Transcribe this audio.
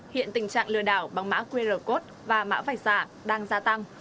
hiện tình trạng lừa đảo bằng mã qr code và mã vạch giả đang gia tăng